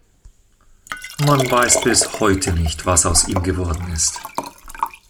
Man weiß bis heute nicht, was aus ihm geworden ist.